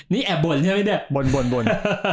นี่แอบบ่นใช่ไหมเนี่ยบ่น